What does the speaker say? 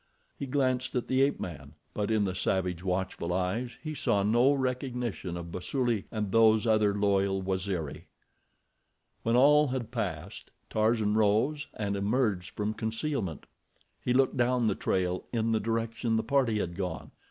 He glanced at the ape man; but in the savage, watchful eyes he saw no recognition of Basuli and those other loyal Waziri. When all had passed, Tarzan rose and emerged from concealment. He looked down the trail in the direction the party had gone.